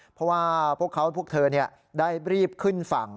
เพราะว่าพวกเขาพวกเธอได้รีบขึ้นฝั่ง